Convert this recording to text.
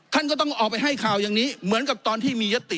ท่านก็ต้องออกไปให้ข่าวอย่างนี้เหมือนกับตอนที่มียติ